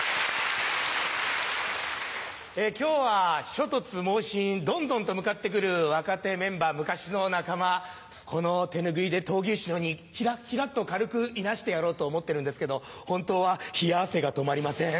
今日は猪突猛進どんどんと向かって来る若手メンバー昔の仲間この手拭いで闘牛士のようにヒラっヒラっと軽くいなしてやろうと思ってるんですけど本当は冷や汗が止まりません。